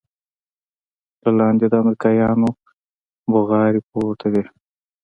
له لاندې د امريکايانو بوغارې پورته وې.